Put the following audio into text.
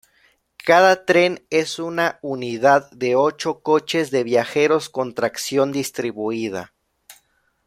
Cada tren es una unidad de ocho coches de viajeros con tracción distribuida.